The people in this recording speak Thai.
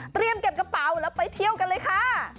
เก็บกระเป๋าแล้วไปเที่ยวกันเลยค่ะ